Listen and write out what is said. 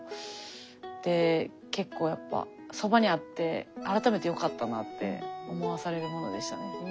結構やっぱそばにあって改めてよかったなって思わされるものでしたね。